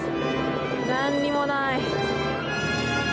何にもない！